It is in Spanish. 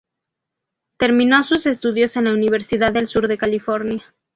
Terminó sus estudios en la Universidad del Sur de California.